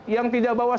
yang tidak bawa c enam